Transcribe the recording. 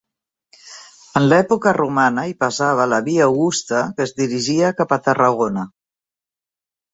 En l'època romana hi passava la Via Augusta que es dirigia cap a Tarragona.